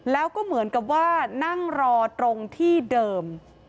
แล้วก็เหมือนกับว่านั่งรอตรงที่เดิม